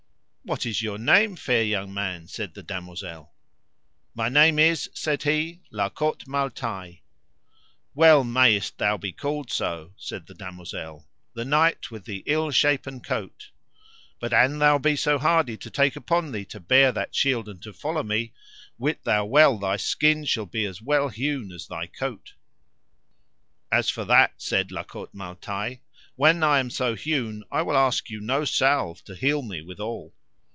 What is your name, fair young man? said the damosel. My name is, said he, La Cote Male Taile. Well mayest thou be called so, said the damosel, the knight with the evil shapen coat; but an thou be so hardy to take upon thee to bear that shield and to follow me, wit thou well thy skin shall be as well hewn as thy coat. As for that, said La Cote Male Taile, when I am so hewn I will ask you no salve to heal me withal.